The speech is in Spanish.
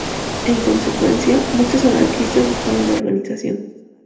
En consecuencia, muchos anarquistas dejaron la organización.